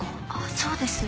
そうです。